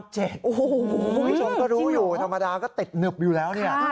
คุณผู้ชมก็รู้อยู่ธรรมดาก็ติดหนึบอยู่แล้วเนี่ย